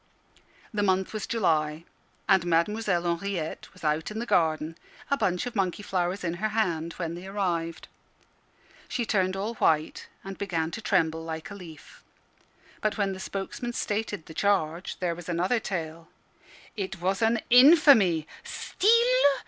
The month was July; and Mademoiselle Henriette was out in the garden, a bunch of monkey flowers in her hand, when they arrived. She turned all white, and began to tremble like a leaf. But when the spokesman stated the charge, there was another tale. "It was an infamy. Steal!